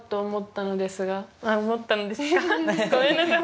ごめんなさい。